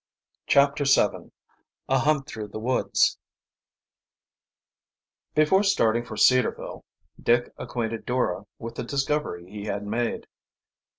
CHAPTER VII A HUNT THROUGH THE WOODS Before starting for Cedarville Dick acquainted Dora with the discovery he had made.